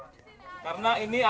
karena ini adalah aturan main perbankan